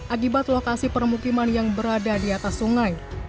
akibat lokasi permukiman yang berada di atas sungai